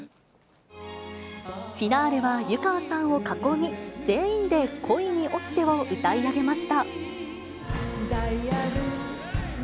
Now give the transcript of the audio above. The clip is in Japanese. フィナーレは、湯川さんを囲み、全員で恋におちてを歌い上げました。